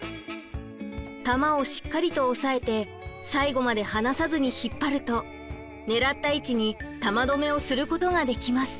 玉をしっかりとおさえて最後まで離さずに引っ張ると狙った位置に玉どめをすることができます。